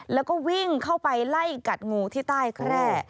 แล้วก็วิ่งเข้าไปไล่กัดงูที่ใต้แคร่